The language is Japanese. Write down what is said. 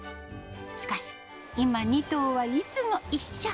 しかし、今２頭はいつも一緒。